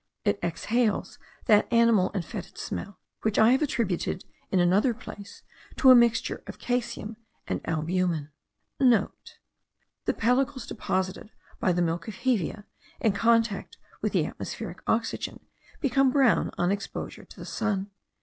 It exhales that animal and fetid smell which I have attributed in another place to a mixture of caseum and albumen.* (* The pellicles deposited by the milk of hevea, in contact with the atmospheric oxygen, become brown on exposure to the sun.